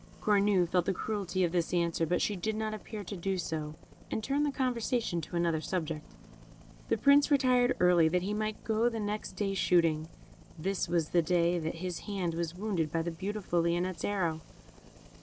Cornue felt the cruelty of this answer, but she did not appear to do so, and turned the conversation to another subject. The Prince retired early, that he might go the next day shooting. This was the day that his hand was wounded by the beautiful Lionette's arrow.